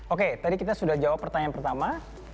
oke tadi kita sudah jawab pertanyaan pertama